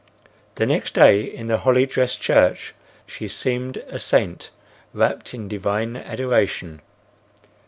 The next day in the holly dressed church she seemed a saint wrapt in divine adoration.